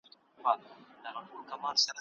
تاسو باید د خوړو د ساتنې لپاره مناسب لوښي وکاروئ.